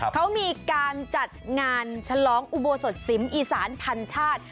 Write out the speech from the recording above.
เขามีการจัดงานฉลองอุโบสถสิมอีสานพันชาติ